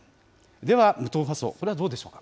では、無党派層、こちらはどうでしょうか。